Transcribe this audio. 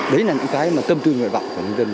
đấy là những cái mà tâm tư người bạo của người dân